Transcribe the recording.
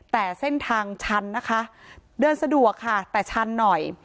แต่เส้นทางชันนะคะเดินสะดวกค่ะแต่ชันหน่อย